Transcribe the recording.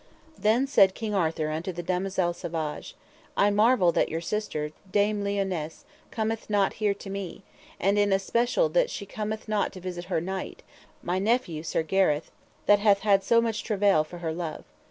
Then said King Arthur unto the damosel Savage: I marvel that your sister, Dame Lionesse, cometh not here to me, and in especial that she cometh not to visit her knight, my nephew Sir Gareth, that hath had so much travail for her love.